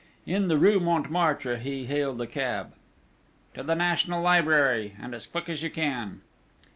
In the rue Montmartre he hailed a cab: "To the National Library! And as quick as you can!"